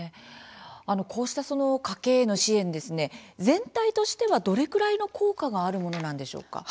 こうした家計への支援全体としてはどれくらいの効果があるものなんでしょうか？